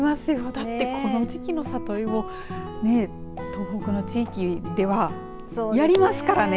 だって、この時期の里芋は東北の地域ではやりますからね。